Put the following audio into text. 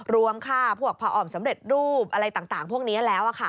รวมค่าพวกผ่อมสำเร็จรูปอะไรต่างพวกนี้แล้ว